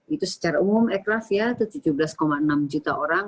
itu secara umum ekraf tujuh belas enam juta orang